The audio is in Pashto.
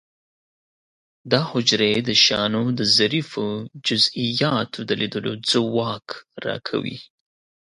دا حجرې د شیانو د ظریفو جزئیاتو د لیدلو ځواک را کوي.